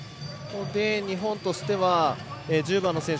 日本としては１０番の選手